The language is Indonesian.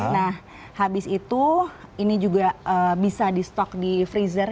nah habis itu ini juga bisa di stock di freezer